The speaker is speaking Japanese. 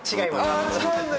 ああ違うんだ！